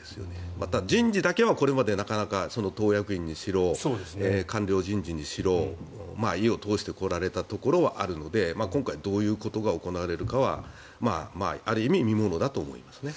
また、人事だけはこれまで党役員にしろ官僚人事にしろ意を通してこられたところはあるので今回どういうことが行われるのかはある意味、見ものだと思いますね。